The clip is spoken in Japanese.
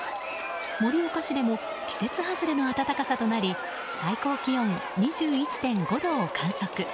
盛岡市でも季節外れの暖かさとなり最高気温２１．５度を観測。